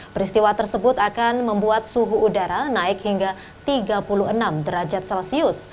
peristiwa tersebut akan membuat suhu udara naik hingga tiga puluh enam derajat celcius